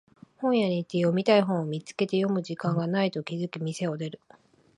本屋行って読みたい本を見つけて読む時間がないと気づき店を出る